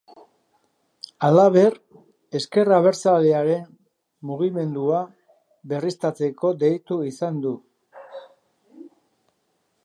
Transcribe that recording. Halaber, Ezker Abertzalearen mugimendua berriztatzeko deitu izan du.